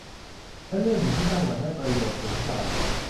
และเรื่องหนึ่งที่ไต้หวันได้ประโยชน์สูงจาก